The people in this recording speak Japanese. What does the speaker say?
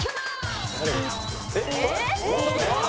えっ？